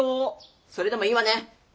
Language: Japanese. それでもいいわね。